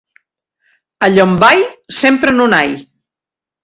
A Llombai, sempre en un ai!